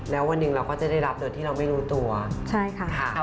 แล้ววันหนึ่งเราก็จะได้รับโดยที่เราไม่รู้ตัวใช่ค่ะ